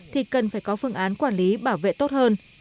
thì cần phải có phương án quản lý bảo vệ tốt hơn